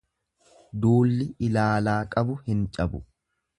Duulli ilaalaa qabu hin cabu.